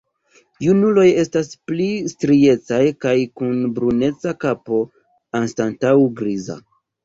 Junuloj estas pli striecaj kaj kun bruneca kapo anstataŭ griza.